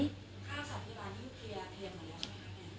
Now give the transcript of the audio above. ค่าสัพยาบาลที่เคลียร์เคลียร์เหมือนกัน